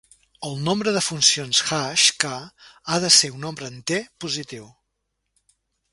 El nombre de funcions hash, "k", ha de ser un nombre enter positiu.